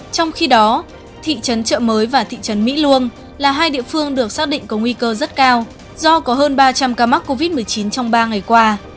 trong khi đó thị trấn trợ mới và thị trấn mỹ luông là hai địa phương được xác định có nguy cơ rất cao do có hơn ba trăm linh ca mắc covid một mươi chín trong ba ngày qua